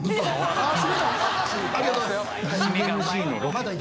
ありがとうございます。